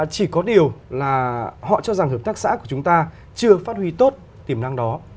chỉ có điều là họ cho rằng hợp tác xã của chúng ta chưa phát huy tốt tiềm năng đó